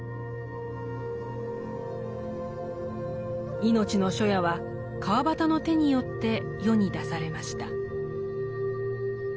「いのちの初夜」は川端の手によって世に出されました。